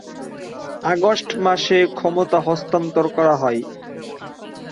August মাসে ক্ষমতা হস্তান্তর করা হয়।